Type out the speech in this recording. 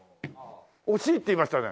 「惜しい」って言いましたね。